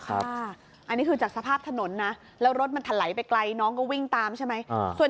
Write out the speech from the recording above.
อันนี้คือจากสภาพถนนนะแล้วรถมันถลายไปไกลน้องก็วิ่งตามใช่ไหม